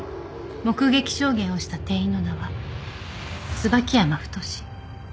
目撃証言をした店員の名は椿山太。